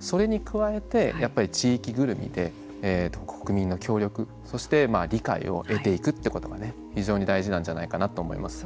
それに加えてやっぱり地域ぐるみで国民の協力そして理解を得ていくということが非常に大事なんじゃないかなと思います。